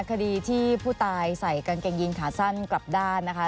คดีที่ผู้ตายใส่กางเกงยินขาสั้นกลับด้านนะคะ